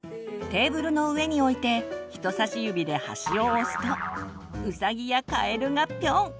テーブルの上に置いて人さし指で端を押すとウサギやカエルがぴょん！